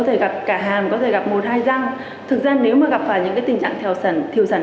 thể gặp cả hàm có thể gặp một mươi hai răng thực ra nếu mà gặp phải những cái tình trạng theo sản thiểu sản